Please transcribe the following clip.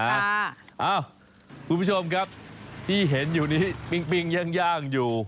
เอ้าคุณผู้ชมครับที่เห็นอยู่นี้ปิ้งย่างอยู่